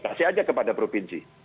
kasih aja kepada provinsi